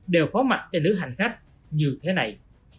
đều phó mạch cho nước hành khách như thế này